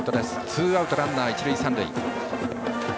ツーアウトランナー、一塁三塁。